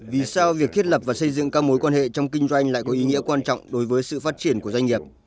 vì sao việc thiết lập và xây dựng các mối quan hệ trong kinh doanh lại có ý nghĩa quan trọng đối với sự phát triển của doanh nghiệp